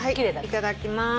いただきます。